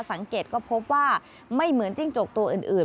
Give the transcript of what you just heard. สังเกตก็พบว่าไม่เหมือนจิ้งจกตัวอื่น